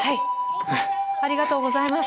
ありがとうございます。